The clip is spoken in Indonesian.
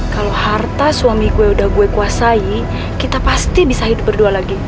kalau harta suamiku yang udah gue kuasai kita pasti bisa hidup berdua lagi